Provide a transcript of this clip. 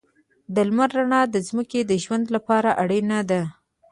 د لمر رڼا د ځمکې د ژوند لپاره اړینه ده.